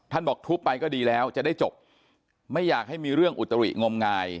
บอกทุบไปก็ดีแล้วจะได้จบไม่อยากให้มีเรื่องอุตริงมงาย